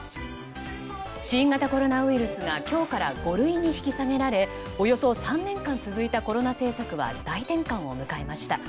新型コロナウイルスが今日から５類に引き下げられおよそ３年間続いたコロナ政策は大転換を迎えました。